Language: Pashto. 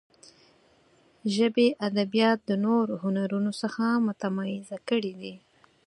ژبې ادبیات د نورو هنرونو څخه متمایزه کړي دي.